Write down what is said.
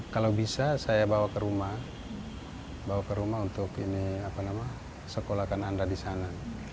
kalau bisa saya bawa ke rumah untuk sekolahkan anda di sana